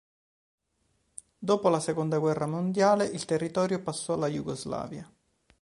Dopo la seconda guerra mondiale il territorio passò alla Jugoslavia.